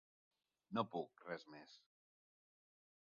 No puc, res més.